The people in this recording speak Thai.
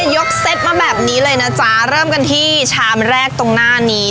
ยกเซตมาแบบนี้เลยนะจ๊ะเริ่มกันที่ชามแรกตรงหน้านี้